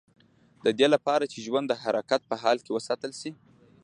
د دې لپاره چې ژوند د حرکت په حال کې وساتل شي.